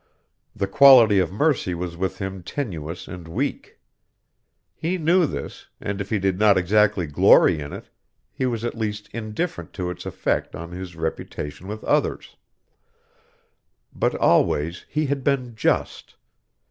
The quality of mercy was with him tenuous and weak. He knew this, and if he did not exactly glory in it, he was at least indifferent to its effect on his reputation with others. But always he had been just.